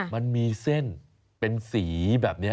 มันมีเส้นเป็นสีแบบนี้